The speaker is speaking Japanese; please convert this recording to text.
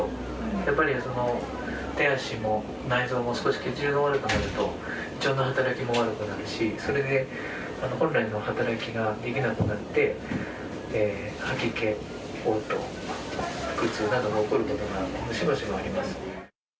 やっぱり手足も内臓も少し血流が悪くなると、胃腸の働きも悪くなるし、それで本来の働きができなくなって、吐き気、おう吐、腹痛などが起こることがしばしばあります。